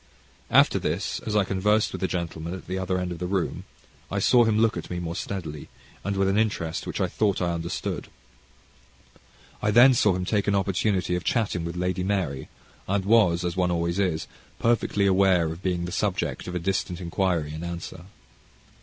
After this, as I conversed with a gentleman at the other end of the room, I saw him look at me more steadily, and with an interest which I thought I understood. I then saw him take an opportunity of chatting with Lady Mary, and was, as one always is, perfectly aware of being the subject of a distant inquiry and answer.